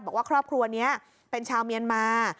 บอกว่าครอบครัวนี้เป็นชาวเมียนมา